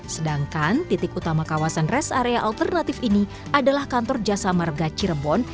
sedangkan titik utama kawasan rest area alternatif ini adalah kantor jasa marga cirebon